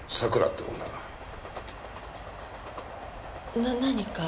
な何か？